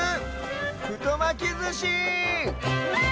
ふとまきずし！